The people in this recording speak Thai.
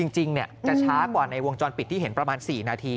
จริงจะช้ากว่าในวงจรปิดที่เห็นประมาณ๔นาที